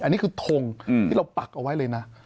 อันนี้คือทงที่เราปักเอาไว้เลยนะ